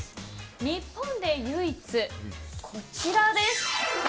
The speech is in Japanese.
日本で唯一、こちらです。